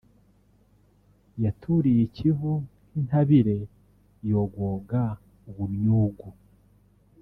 yaturiye i Kivu nk’intabire yogoga Ubunnyugu